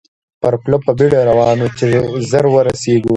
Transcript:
پر پله په بېړه روان وو، چې ژر ورسېږو.